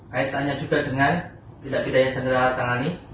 kaitannya juga dengan pindah pindah yang saya tangani